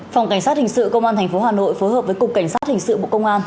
phòng cảnh sát hình sự công an tp hà nội phối hợp với cục cảnh sát hình sự bộ công an